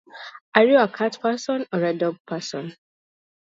Are you a cat person or a dog person?